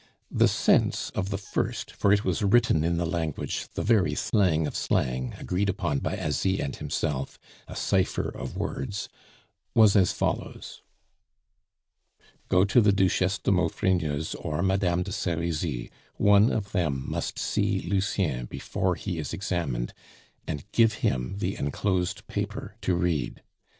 The sense of the first for it was written in the language, the very slang of slang, agreed upon by Asie and himself, a cipher of words was as follows: "Go to the Duchesse de Maufrigneuse or Madame de Serizy: one of them must see Lucien before he is examined, and give him the enclosed paper to read.